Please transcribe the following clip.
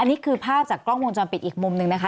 อันนี้คือภาพจากกล้องมองจอมปิดอีกมุมหนึ่งนะคะ